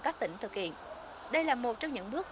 các tỉnh thực hiện đây là một trong những bước